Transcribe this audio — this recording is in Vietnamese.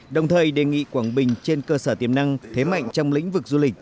đồng thời đề nghị quảng bình trên cơ sở tiềm năng thế mạnh trong lĩnh vực du lịch